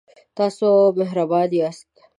تاسو مهربان یاست